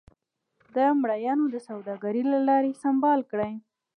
د مریانو د سوداګرۍ له لارې سمبال کړل.